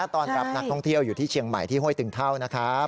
ต้อนรับนักท่องเที่ยวอยู่ที่เชียงใหม่ที่ห้วยตึงเท่านะครับ